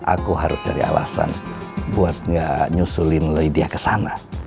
aku harus cari alasan buat gak nyusulin dia ke sana